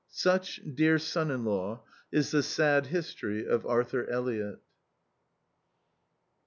Such, dear son in law, is the sad history of Arthur Elliott.